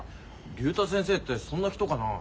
竜太先生ってそんな人かな？